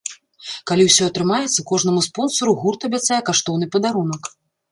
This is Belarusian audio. Калі ўсё атрымаецца, кожнаму спонсару гурт абяцае каштоўны падарунак!